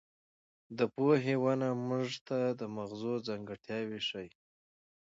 د پوهې ونه موږ ته د مغزو ځانګړتیاوې ښيي.